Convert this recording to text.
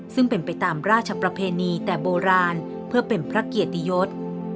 ซึ่งเป็นไปตามราชประเพณีแต่โบราณเพื่อเป็นพระเกียรติยศ